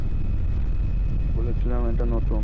বলেছিলাম এটা নতুন।